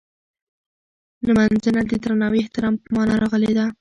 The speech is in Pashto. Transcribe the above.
نمځنه د درناوي او احترام په مانا راغلې ده.